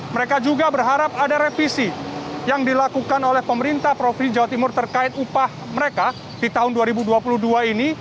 mereka juga berharap ada revisi yang dilakukan oleh pemerintah provinsi jawa timur terkait upah mereka di tahun dua ribu dua puluh dua ini